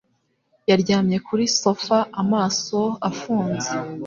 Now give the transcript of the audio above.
Yaryamye kuri sofa amaso afunze.